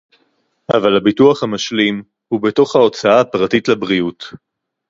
אבל הביטוח המשלים הוא בתוך ההוצאה הפרטית לבריאות